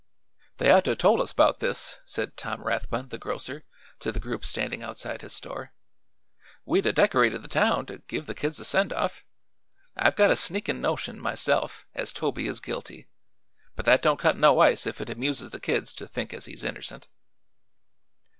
"They ought to told us 'bout this," said Tom Rathbun the grocer to the group standing outside his store. "We'd 'a' decorated the town, to give the kids a send off. I've got a sneakin' notion, myself, as Toby is guilty, but that don't cut no ice if it amuses the kids to think as he's innercent."